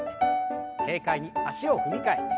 軽快に足を踏み替えて。